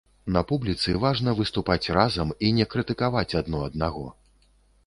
На публіцы важна выступаць разам і не крытыкаваць адно аднаго.